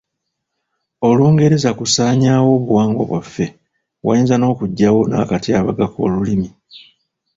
Olungereza kusaanyaawo obuwangwa bwaffe wayinza n'okujjawo n'akatyabaga k'olulimi.